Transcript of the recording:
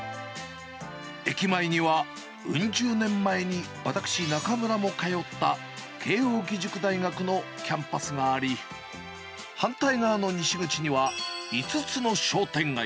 駅前にはうん十年前に私、中村も通った、慶應義塾大学のキャンパスがあり、反対側の西口には５つの商店街。